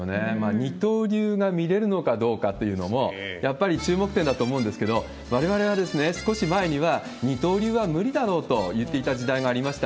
二刀流が見れるのかどうかというのも、やっぱり注目点だと思うんですけれども、われわれは少し前には、二刀流は無理だろうといっていた時代がありました。